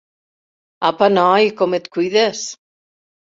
Apa, noi, com et cuides!